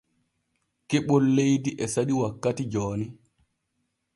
Keɓol leydi e saɗi wakkati jooni.